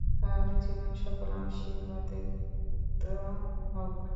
তার জীবন সকল আশীর্বাদে বিধৃত হোক।